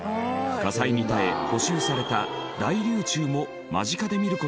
火災に耐え補修された大龍柱も間近で見る事ができます。